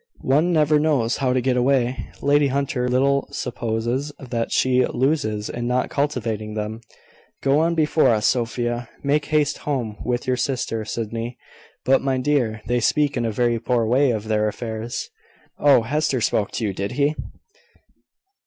"One never knows how to get away. Lady Hunter little supposes what she loses in not cultivating them. Go on before us, Sophia. Make haste home with your sister, Sydney. But, my dear, they speak in a very poor way of their affairs." "Oh, Hester spoke to you, did she?